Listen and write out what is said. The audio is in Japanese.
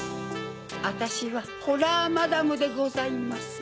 あたしはホラーマダムでございます。